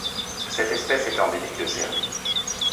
Cette espèce est endémique de Serbie.